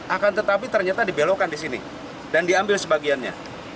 akan tetapi ternyata dibelokkan di sini dan diambil sebagiannya